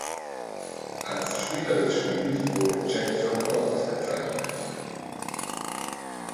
Als Spieler des Spiels wurde Chad Soper ausgezeichnet.